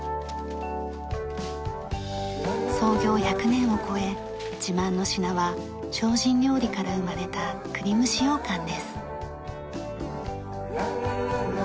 創業１００年を超え自慢の品は精進料理から生まれた栗蒸ようかんです。